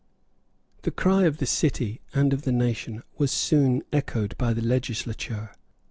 The cry of the city and of the nation was soon echoed by the legislature.